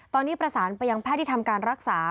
ตอนนี้ประสานไปยังแพทย์ที่ทำการรักษา